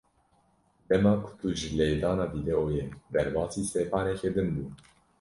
Dema ku tu ji lêdana vîdyoyê derbasî sepaneke din bû.